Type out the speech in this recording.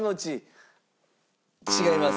違います。